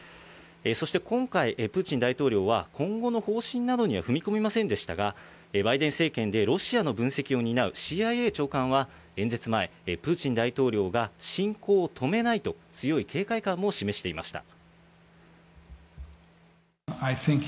そして今回、プーチン大統領は、今後の方針などには踏み込みませんでしたが、バイデン政権でロシアの分析を担うＣＩＡ長官は演説前、プーチン大統領が侵攻を止めないと、強い警戒感も示していました。